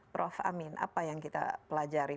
prof amin apa yang kita pelajari